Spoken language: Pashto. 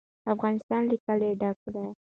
افغانستان له کلي ډک دی.